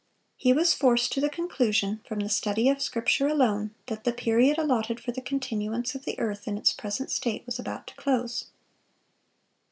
He was forced to the conclusion, from the study of Scripture alone, that the period allotted for the continuance of the earth in its present state was about to close.